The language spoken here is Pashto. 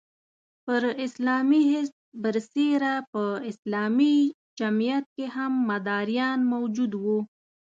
پر اسلامي حزب برسېره په اسلامي جمعیت کې هم مداریان موجود وو.